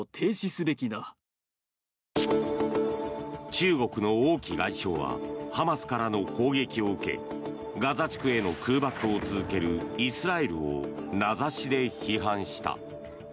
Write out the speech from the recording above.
中国の王毅外相はハマスからの攻撃を受けガザ地区への空爆を続けるイスラエルを名指しで批判した。